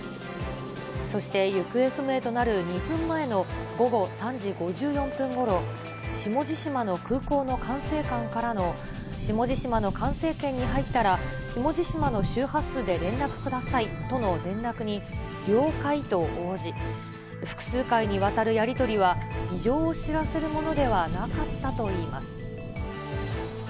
そして、行方不明となる２分前の午後３時５４分ごろ、下地島の空港の管制官からの、下地島の管制圏に入ったら下地島の周波数で連絡くださいとの連絡に、了解と応じ、複数回にわたるやり取りは、異常を知らせるものではなかったといいます。